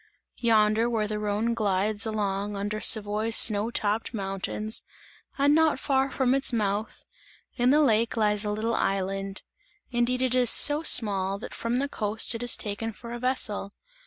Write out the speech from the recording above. Yonder, where the Rhone glides along under Savoy's snow topped mountains and not far from its mouth, in the lake lies a little island, indeed it is so small, that from the coast it is taken for a vessel.